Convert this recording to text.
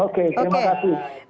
oke terima kasih